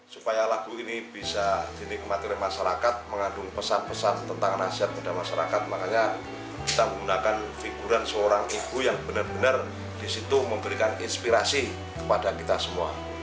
supaya lagu ini bisa dinikmati oleh masyarakat mengandung pesan pesan tentang nasihat kepada masyarakat makanya kita menggunakan figuran seorang ibu yang benar benar disitu memberikan inspirasi kepada kita semua